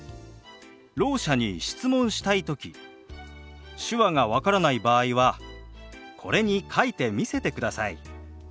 ろう者に質問したい時手話が分からない場合はこれに書いて見せてください。